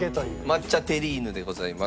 抹茶テリーヌでございます。